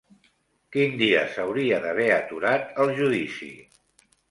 Quin dia s'hauria d'haver aturat el judici?